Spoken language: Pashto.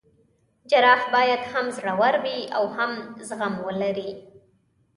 جراح باید هم زړه ور وي او هم زغم ولري.